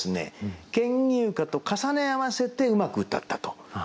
「牽牛花」と重ね合わせてうまくうたったと。